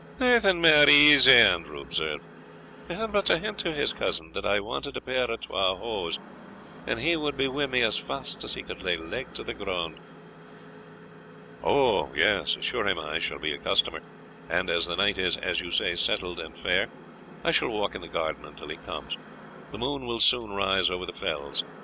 "Naething mair easy," Andrew observed; "he had but to hint to his cousin that I wanted a pair or twa o' hose, and he wad be wi' me as fast as he could lay leg to the grund." "O yes, assure him I shall be a customer; and as the night is, as you say, settled and fair, I shall walk in the garden until he comes; the moon will soon rise over the fells.